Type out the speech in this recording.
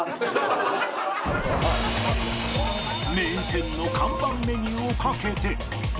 名店の看板メニューをかけて